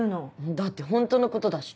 だって本当のことだし。